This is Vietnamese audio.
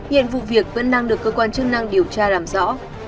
hiện vụ việc vẫn đang được cơ quan chức năng điều tra làm rõ